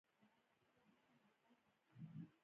په پیسو سره ځان او مال بیمه کولی شې خو حفاظت نه شې.